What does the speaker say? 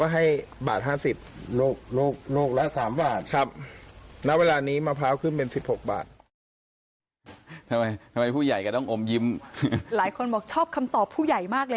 หลายคนบอกชอบคำตอบผู้ใหญ่มากเลย